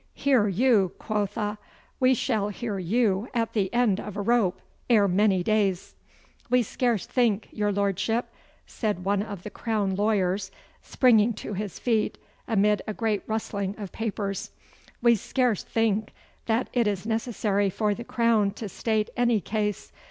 Hear you, quotha! We shall hear you at the end of a rope, ere many days.' 'We scarce think, your Lordship,' said one of the Crown lawyers, springing to his feet amid a great rustling of papers, 'we scarce think that it is necessary for the Crown to state any case.